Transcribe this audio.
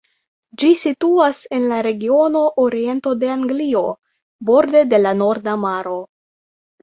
Ĝi situas en la regiono Oriento de Anglio, borde de la Norda Maro.